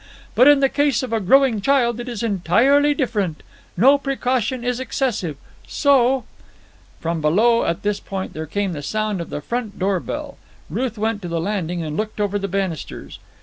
But in the case of a growing child it is entirely different. No precaution is excessive. So——" From below at this point there came the sound of the front door bell. Ruth went to the landing and looked over the banisters.